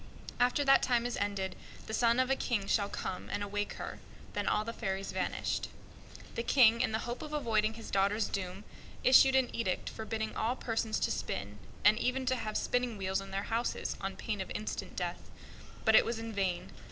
After that time is ended, the son of a King shall come and awake her." Then all the fairies vanished. The King, in the hope of avoiding his daughter's doom, issued an edict forbidding all persons to spin, and even to have spinning wheels in their houses, on pain of instant death. But it was in vain.